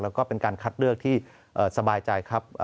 แล้วก็เป็นการคัดเลือกที่สบายใจครับ